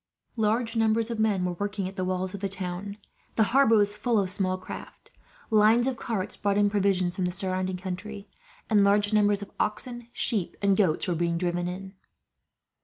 Large numbers of men were working at the walls of the town. The harbour was full of small craft. Lines of carts brought in provisions from the surrounding country, and large numbers of oxen, sheep, and goats were being driven in.